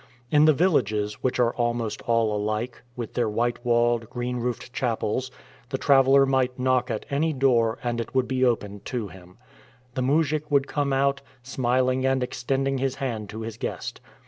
In the villages, which are almost all alike, with their white walled, green roofed chapels, the traveler might knock at any door, and it would be opened to him. The moujik would come out, smiling and extending his hand to his guest.